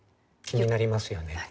気になりますよね。